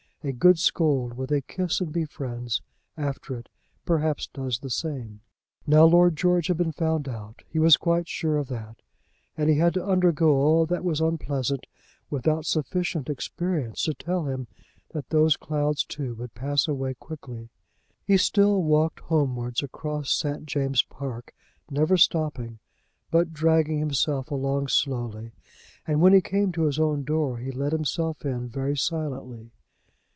A good scold with a "kiss and be friends" after it, perhaps, does the same. Now Lord George had been found out. He was quite sure of that. And he had to undergo all that was unpleasant without sufficient experience to tell him that those clouds too would pass away quickly. He still walked homewards across St. James's Park, never stopping, but dragging himself along slowly, and when he came to his own door he let himself in very silently.